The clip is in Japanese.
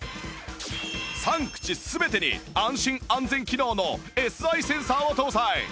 ３口全てに安心安全機能の Ｓｉ センサーを搭載